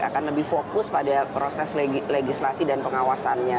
akan lebih fokus pada proses legislasi dan pengawasannya